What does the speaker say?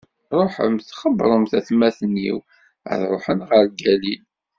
Ṛuḥemt, xebbṛemt atmaten-iw ad ṛuḥen ɣer Galil.